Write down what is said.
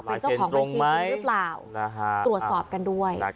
เป็นเจ้าของบัญชีจริงหรือเปล่าตรวจสอบกันด้วย